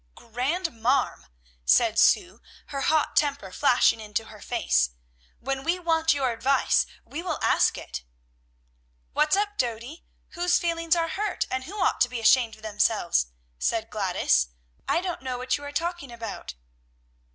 "Grandmarm!" said Sue, her hot temper flashing into her face, "when we want your advice, we will ask it." "What's up, Dody? Whose feelings are hurt, and who ought to be ashamed of themselves?" asked Gladys. "I don't know what you are talking about."